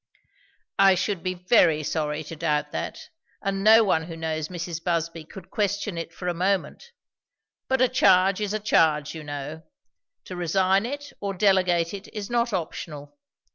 "I should be very sorry to doubt that, and no one who knows Mrs. Busby could question it for a moment. But a charge is a charge, you know. To resign it or delegate it is not optional.